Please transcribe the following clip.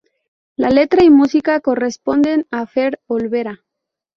La letra y música corresponden a Fher Olvera.